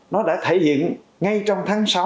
nó đã thể hiện ngay trong tháng sáu